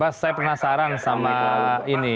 mas saya penasaran sama ini